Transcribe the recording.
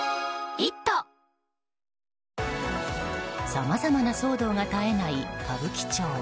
さまざな騒動が絶えない歌舞伎町。